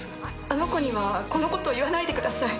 あの子にはこのこと言わないでください。